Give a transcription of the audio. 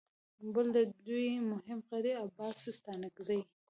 بل د دوی مهم غړي عباس ستانکزي